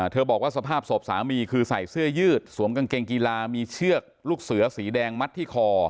บอกว่าสภาพศพสามีคือใส่เสื้อยืดสวมกางเกงกีฬามีเชือกลูกเสือสีแดงมัดที่คอ